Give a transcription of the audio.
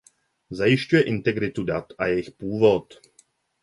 Zajišťuje integritu dat a jejich původ.